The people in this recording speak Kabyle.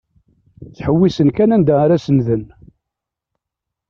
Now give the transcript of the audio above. Ttḥewwisen kan anda ara senden.